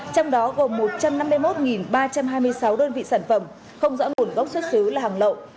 trong đó gồm một trăm năm mươi một ba trăm hai mươi sáu đơn vị sản phẩm không rõ nguồn gốc xuất xứ là hàng lậu